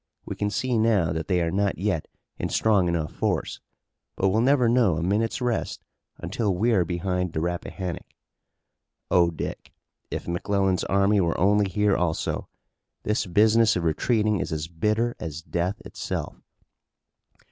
We can see now that they are not yet in strong enough force, but we'll never know a minute's rest until we're behind the Rappahannock. Oh, Dick, if McClellan's army were only here also! This business of retreating is as bitter as death itself!"